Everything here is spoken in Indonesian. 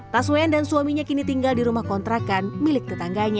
taswean dan suaminya kini tinggal di rumah kontrakan milik tetangganya